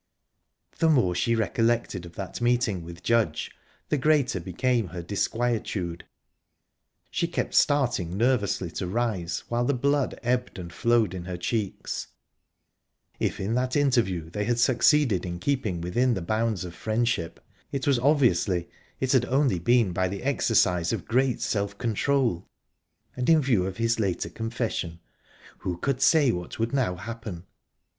The more she recollected of that meeting with Judge, the greater became her disquietude; she kept starting nervously to rise, while the blood ebbed and flowed in her cheeks. If in that interview they had succeeded in keeping within the bounds of friendship, it was obviously it had only been by the exercise of great self control; and, in view of his later confession, who could say what would now happen?